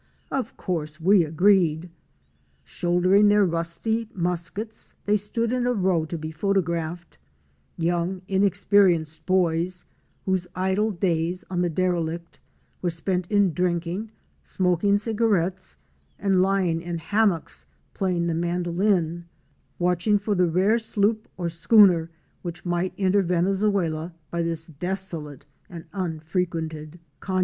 Of course we agreed. Shouldering their rusty muskets they stood in a row to be photographed, — young inexperienced boys, whose idle days on the derelict were spent in drinking, smoking cigarettes and lying in hammocks playing the mandolin, watching for the rare sloop or schooner which might enter Venezuela by this desolate and unfrequented caf.